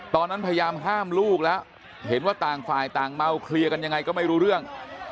พยายามห้ามลูกแล้วเห็นว่าต่างฝ่ายต่างเมาเคลียร์กันยังไงก็ไม่รู้เรื่อง